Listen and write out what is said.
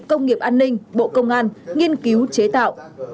các doanh nghiệp an ninh bộ công an nghiên cứu chế tạo